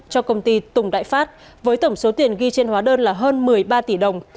cho công ty tùng đại phát với tổng số tiền ghi trên hóa đơn là hơn một mươi ba tỷ đồng